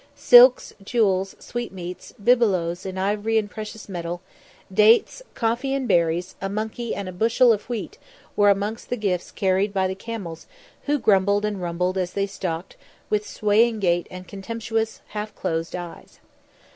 Silks, jewels, sweetmeats, bibelots in ivory and precious metal, dates, coffee in berries, a monkey and a bushel of wheat were amongst the gifts carried by the camels who grumbled and rumbled as they stalked with swaying gait and contemptuous half closed eyes.